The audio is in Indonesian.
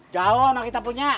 jauh emang kita punya